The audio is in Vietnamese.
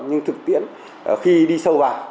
nhưng thực tiễn khi đi sâu vào